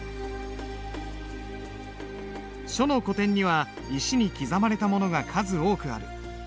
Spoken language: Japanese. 書の古典には石に刻まれたものが数多くある。